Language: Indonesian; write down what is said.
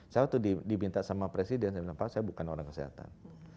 saya waktu diminta sama presiden saya bilang pak saya bukan orang kesehatan